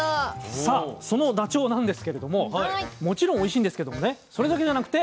さあそのダチョウなんですけれどももちろんおいしいんですけどもねそれだけじゃなくて。